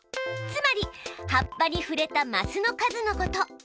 つまり葉っぱにふれたマスの数のこと。